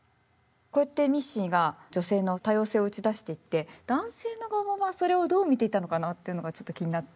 こうやってミッシーが女性の多様性を打ち出していって男性の側はそれをどう見ていたのかなっていうのがちょっと気になって。